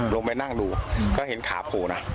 ลงไปนั่งดูก็เห็นขาโผล่นะ